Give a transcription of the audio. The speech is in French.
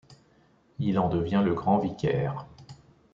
Il en devient le grand-vicaire.